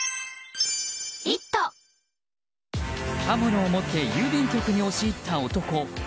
刃物を持って郵便局に押し入った男。